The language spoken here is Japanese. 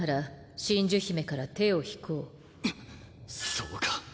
そうか。